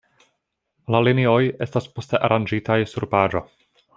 La linioj estas poste aranĝitaj sur paĝo.